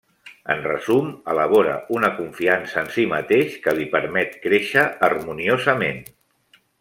En resum, elabora una confiança en si mateix que li permet créixer harmoniosament.